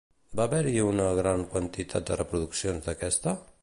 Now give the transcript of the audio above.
Va haver-hi una gran quantitat de reproduccions d'aquesta?